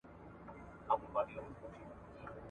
سياسي مسؤليت منل د هر باشعوره وګړي دنده ده.